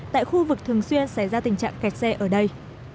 tại khu vực thường xuyên xảy ra tình trạng kẹt xe ở đây